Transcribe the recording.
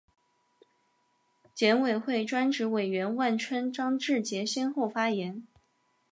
检委会专职委员万春、张志杰先后发言